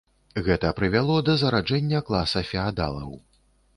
Гэта прывяло да зараджэння класа феадалаў.